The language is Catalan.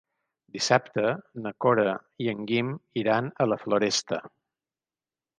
Dissabte na Cora i en Guim iran a la Floresta.